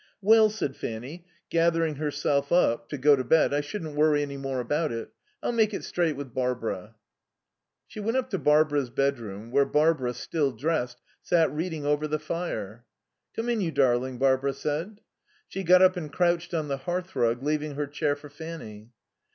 "Well," said Fanny, gathering herself up to go to bed, "I shouldn't worry any more about it. I'll make it straight with Barbara." She went up to Barbara's bedroom, where Barbara, still dressed, sat reading over the fire. "Come in, you darling," Barbara said. She got up and crouched on the hearthrug, leaving her chair for Fanny.